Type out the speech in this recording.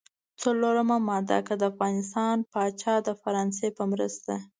څلورمه ماده: که د افغانستان پاچا د فرانسې په مرسته.